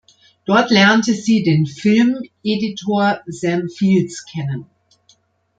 Dort lernte sie den Filmeditor Sam Fields kennen.